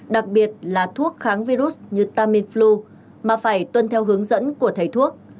đặc biệt là thuốc kháng virus như tamiflu mà phải tuân theo hướng dẫn của thầy thuốc